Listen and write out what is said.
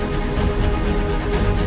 malin jangan lupa